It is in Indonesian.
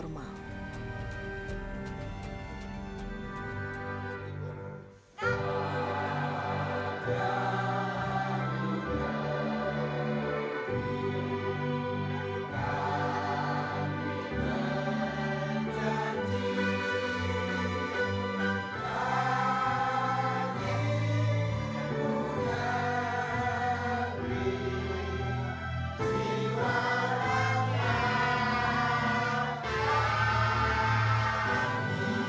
dan juga formal